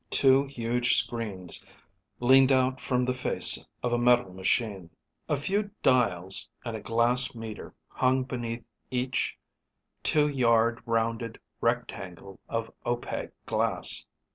Two huge screens leaned out from the face of a metal machine. A few dials and a glass meter hung beneath each two yard rounded rectangle of opaque glass.